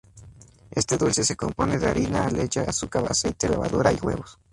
Este dulce se compone de harina, leche, azúcar, aceite, levadura y huevos.